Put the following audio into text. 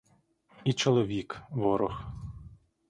І чоловік — ворог.